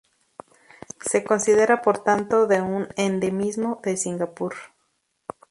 Se considera por tanto de un endemismo de Singapur.